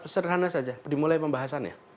sederhana saja dimulai pembahasannya